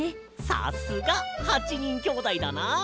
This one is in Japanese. さすが８にんきょうだいだなあ。